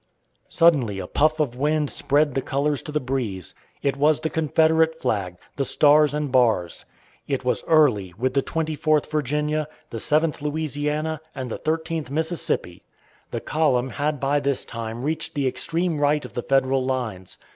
Suddenly a puff of wind spread the colors to the breeze. It was the Confederate flag, the Stars and Bars! It was Early with the Twenty Fourth Virginia, the Seventh Louisiana, and the Thirteenth Mississippi. The column had by this time reached the extreme right of the Federal lines.